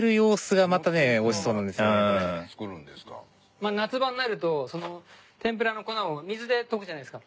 この天ぷらは夏場になると天ぷらの粉を水で溶くじゃないですか。